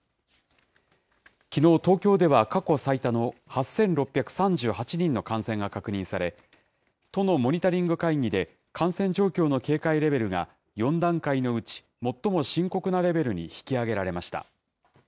きのう、東京では過去最多の８６３８人の感染が確認され、都のモニタリング会議で、感染状況の警戒レベルが４段階のうち最も深刻なレベルに引き上げられました。